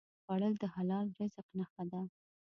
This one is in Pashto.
خوړل د حلال رزق نښه ده